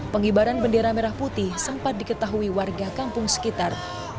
pengibaran bendera merah putih sempat diketahui warga kampung sekitar